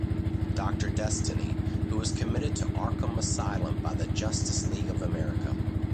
Doctor Destiny, who was committed to Arkham Asylum by the Justice League of America.